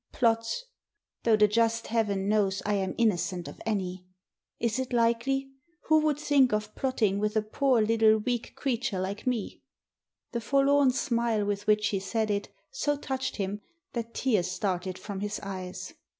"Plots. Though the just Heaven knows I am inno cent of any. Is it likely? Who would think of plotting with a poor little weak creature like me?" The forlorn smile with which she said it, so touched him that tears started from his eyes.